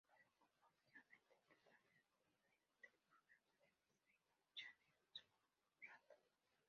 Luego, volvieron a interpretarla en el del programa de Disney Channel, "So Random!".